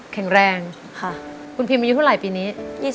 แข็งแรงค่ะคุณพิมอายุเท่าไหร่ปีนี้